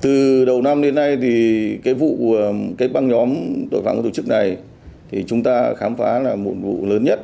từ đầu năm đến nay vụ băng nhóm tội phạm có tổ chức này chúng ta khám phá là một vụ lớn nhất